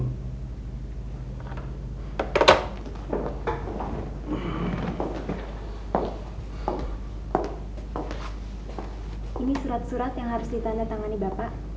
ini surat surat yang harus ditandatangani bapak